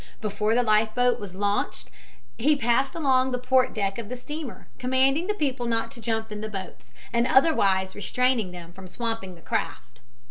Before the life boat was launched he passed along the port deck of the steamer, commanding the people not to jump in the boats, and otherwise restraining them from swamping the craft.